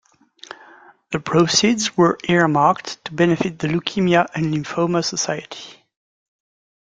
The proceeds were earmarked to benefit The Leukemia and Lymphoma Society.